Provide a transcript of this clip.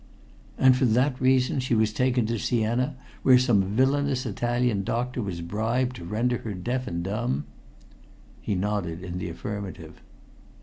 "And for that reason she was taken to Siena, where some villainous Italian doctor was bribed to render her deaf and dumb." He nodded in the affirmative.